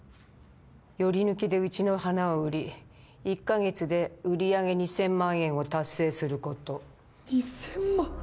ヨリヌキでうちの花を売り１か月で売上２０００万円を達成すること２０００万？